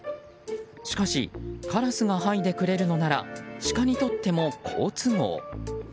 しかしカラスがはいでくれるのならシカにとっても好都合。